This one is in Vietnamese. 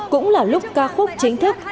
cũng là lúc ca khúc chính thức